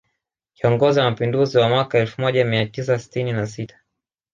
Kiongozi wa mapinduzi wa mwaka wa elfu moja mia tisa sitini na sita